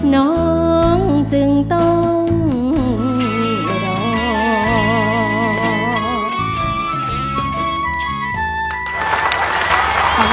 น้องจึงต้องรอ